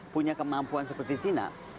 dengan mampuan seperti cina